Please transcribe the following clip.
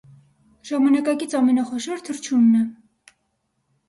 Ժամանակակից ամենախոշոր թռչունն է։